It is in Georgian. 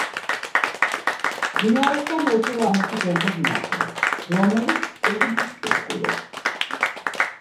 მდინარესთან ერთი ლამაზი გოგო ვნახე რომელიც წიგნს კითხულობდა